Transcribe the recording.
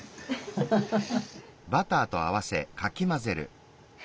ハハハハ。